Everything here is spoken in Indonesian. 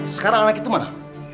sekarang anak itu mana